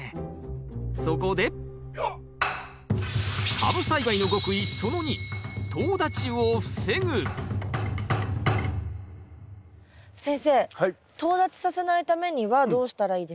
そこで先生とう立ちさせないためにはどうしたらいいですか？